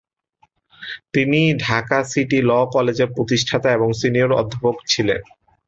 তিনি Dhaka city ‘law’ কলেজের প্রতিষ্ঠাতা এবং সিনিয়র অধ্যাপক ছিলেন।